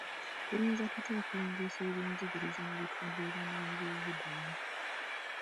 Tuyinza tutya okulongoosa eby'enjigiriza mu bitundu by'abanoonyi b'obubuddamu?